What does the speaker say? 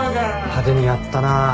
派手にやったな。